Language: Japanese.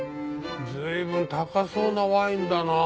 随分高そうなワインだな。